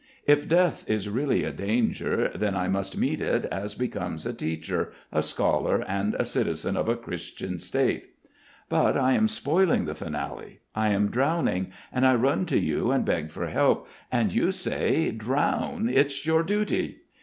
If death is really a danger then I must meet it as becomes a teacher, a scholar, and a citizen of a Christian State. But I am spoiling the finale. I am drowning, and I run to you and beg for help, and you say: 'Drown. It's your duty.'"